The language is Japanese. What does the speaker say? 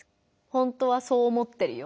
「本当はそう思ってるよ。